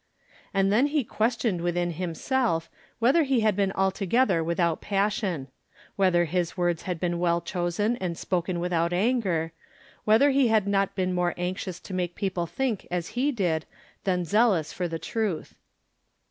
And then he questioned within himself whether he had been altogether without passion ; whether his words had been well chosen and spoken without anger ; whether he had not been more anxious to make people think as he did than zealous for the truth.